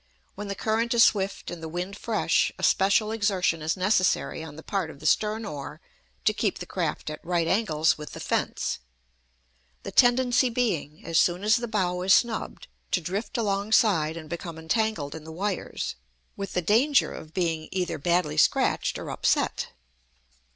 When the current is swift and the wind fresh a special exertion is necessary on the part of the stern oar to keep the craft at right angles with the fence, the tendency being, as soon as the bow is snubbed, to drift alongside and become entangled in the wires, with the danger of being either badly scratched or upset.